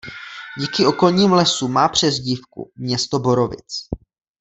Díky okolním lesům má přezdívku „město borovic“.